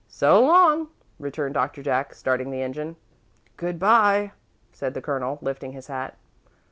"So long," returned Doctor Jack, starting the engine. "Good bye," said the Colonel, lifting his hat.